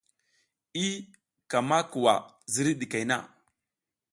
I ka ma kuwa ziriy ɗikey na.